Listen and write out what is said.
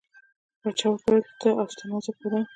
باچا ورته وویل ته او ستا نازک بدن.